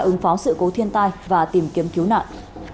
ứng phó sự cố thiên tai và tìm kiếm cứu nạn